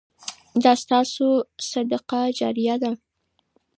دا ستاسو صدقه جاریه ده.